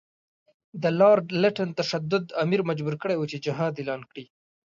د لارډ لیټن تشدد امیر مجبور کړی وو چې جهاد اعلان کړي.